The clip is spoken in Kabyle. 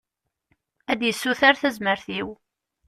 Ad d-yessuter tazmert-iw.